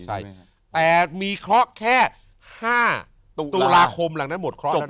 ใช่แต่มีเคราะห์แค่๕ตุลาคมหลังนั้นหมดเคราะห์จบ